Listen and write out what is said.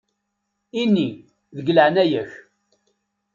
Ini: « deg leεna-yak».